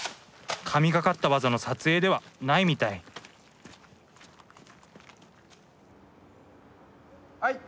神がかった技の撮影ではないみたいはい。